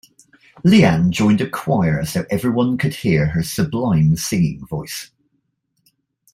Leanne joined a choir so everyone could hear her sublime singing voice.